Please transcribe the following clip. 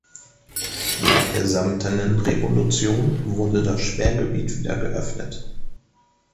Nach der samtenen Revolution wurde das Sperrgebiet wieder geöffnet.